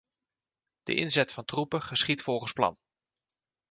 De inzet van troepen geschiedt volgens plan.